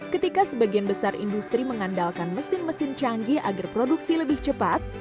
ketika sebagian besar industri mengandalkan mesin mesin canggih agar produksi lebih cepat